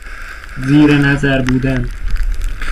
زیر نظر بودن